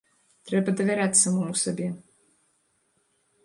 Трэба давяраць самаму сабе.